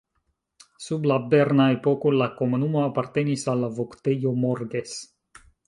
Sub la berna epoko la komunumo apartenis al la Voktejo Morges.